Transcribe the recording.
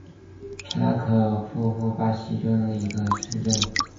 皮拉库鲁卡是巴西皮奥伊州的一个市镇。